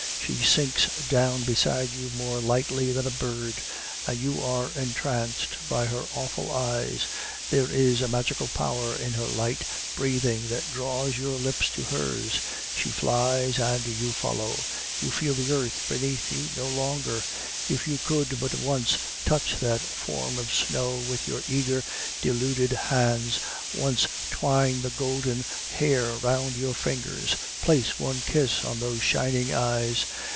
She sinks down beside you more lightly than a bird, and you are entranced by her awful eyes; there is a magical power in her light breathing that draws your lips to hers; she flies and you follow; you feel the earth beneath you no longer. If you could but once touch that form of snow with your eager, deluded hands, once twine the golden hair round your fingers, place one kiss on those shining eyes!